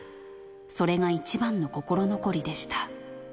それが一番の心残りでした。